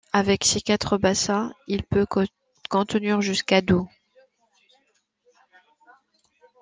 Avec ses quatre bassins, il peut contenir jusqu'à d'eau.